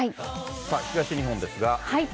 さあ、東日本ですが。